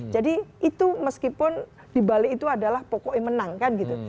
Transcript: jadi itu meskipun di balik itu adalah pokoknya menang kan gitu